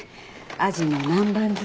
アジの南蛮漬け。